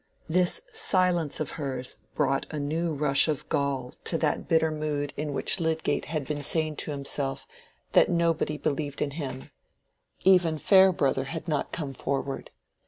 This silence of hers brought a new rush of gall to that bitter mood in which Lydgate had been saying to himself that nobody believed in him—even Farebrother had not come forward.